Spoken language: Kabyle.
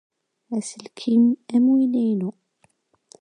Aselkim am winna inu.